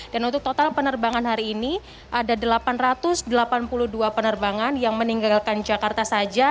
dan untuk total penerbangan hari ini ada delapan ratus delapan puluh dua penerbangan yang meninggalkan jakarta saja